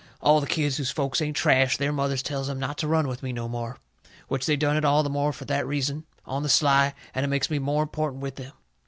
All the kids whose folks ain't trash, their mothers tells 'em not to run with me no more. Which they done it all the more fur that reason, on the sly, and it makes me more important with them.